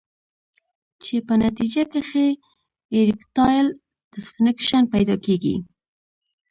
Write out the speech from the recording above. چې پۀ نتېجه کښې ايريکټائل ډسفنکشن پېدا کيږي